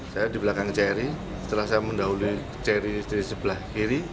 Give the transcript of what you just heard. saya di belakang cherry setelah saya mendahului cherry di sebelah kiri